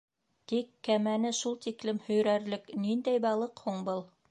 Тик кәмәне шул тиклем һөйрәрлек ниндәй балыҡ һуң был?!